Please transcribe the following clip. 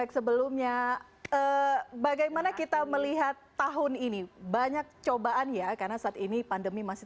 sebelumnya bagaimana kita melihat tahun ini banyak cobaan ya karena saat ini pandemi masih